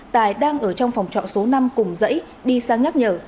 tài đang ở trong phòng trọ số năm cùng dãy đi sang nhắc nhở